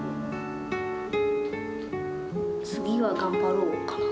次は頑張ろうかな。